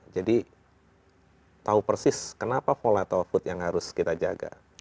jadi tahu persis kenapa volatile food yang harus kita jaga